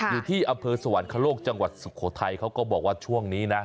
อยู่ที่อำเภอสวรรคโลกจังหวัดสุโขทัยเขาก็บอกว่าช่วงนี้นะ